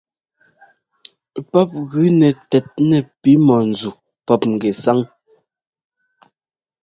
Pɔ́p gʉnɛ tɛt nɛ pi mɔ̂nzu pɔ́p ŋgɛsáŋ.